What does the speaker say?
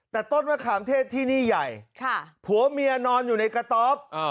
แต่ต้นมะขามเทศที่นี่ใหญ่ผัวเมียนอนอยู่ในกระต๊อบ